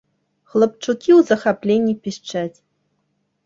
Хлапчукі ў захапленні пішчаць.